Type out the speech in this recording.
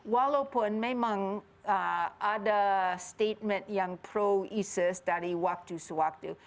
walaupun memang ada statement yang pro isis dari waktu sewaktu